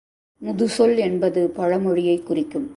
முதுசொல் என்பது பழமொழியைக் குறிக்கும்.